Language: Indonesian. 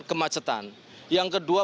kemacetan yang kedua